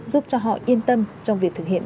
giúp cho họ yên tâm trong việc thực hiện